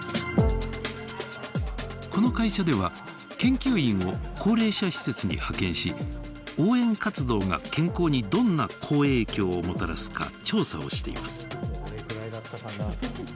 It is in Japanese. この会社では研究員を高齢者施設に派遣し応援活動が健康にどんな好影響をもたらすか調査をしています。